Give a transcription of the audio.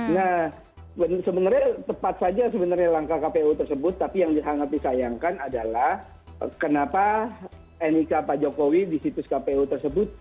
nah sebenarnya tepat saja sebenarnya langkah kpu tersebut tapi yang sangat disayangkan adalah kenapa nik pak jokowi di situs kpu tersebut